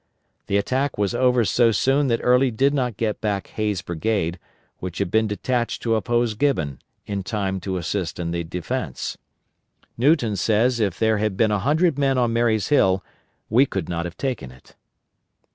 The attack was over so soon that Early did not get back Hays' brigade, which had been detached to oppose Gibbon, in time to assist in the defence. Newton says if there had been a hundred men on Marye's Hill we could not have taken it.